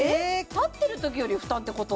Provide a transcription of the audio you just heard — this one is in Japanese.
立ってるときより負担ってこと？